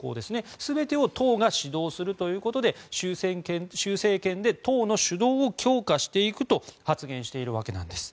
全てを党が指導するということで習政権で党の主導を強化していくと発言しているわけなんです。